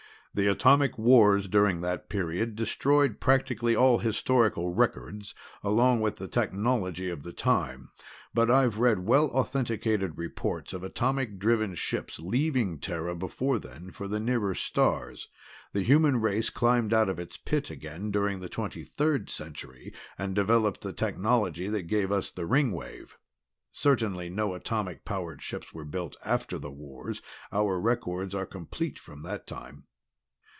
"The atomic wars during that period destroyed practically all historical records along with the technology of the time, but I've read well authenticated reports of atomic driven ships leaving Terra before then for the nearer stars. The human race climbed out of its pit again during the Twenty third Century and developed the technology that gave us the Ringwave. Certainly no atomic powered ships were built after the wars our records are complete from that time."